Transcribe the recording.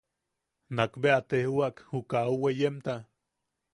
Nak bea a tejwak jukaʼa au weyemta: